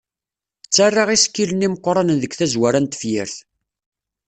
Ttarra isekkilen imeqranen deg tazwara n tefyirt.